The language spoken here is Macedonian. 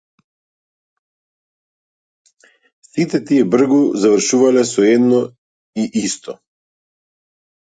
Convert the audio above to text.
Сите тие бргу завршувале, со едно и исто.